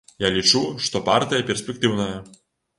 Я лічу, што партыя перспектыўная.